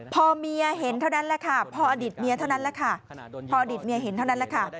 พอเมียเห็นเท่านั้นแหละค่ะพออดีตเมียเท่านั้นแหละค่ะ